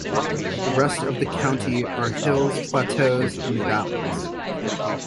The rest of the county are hills, plateaus, and valleys.